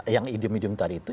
yang idium idium tadi itu